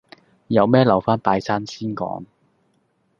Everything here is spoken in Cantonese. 有咩留返拜山先講